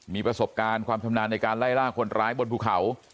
มีประสบการณ์ความชำนาญในการไล่ล่าคนร้ายบนภูเขา